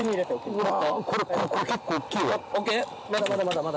まだまだまだ。